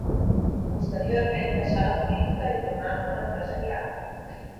Posteriorment deixà la política i tornà al món empresarial.